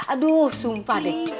aduh sumpah deh